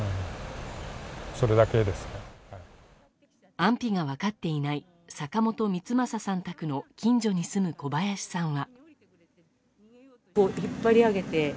安否が分かっていない坂本光正さん宅の近所に住む小林さんは。